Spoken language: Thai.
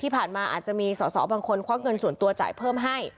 ที่ผ่านมาอาจจะมีส่อบางคนคว้างเงินส่วนตัวจ่ายเพิ่มให้